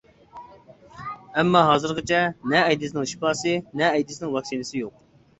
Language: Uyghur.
ئەمما ھازىرغىچە، نە ئەيدىزنىڭ شىپاسى، نە ئەيدىزنىڭ ۋاكسىنىسى يوق.